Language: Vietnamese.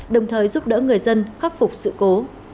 đồng thời giúp đỡ người dân khắc phục sự cố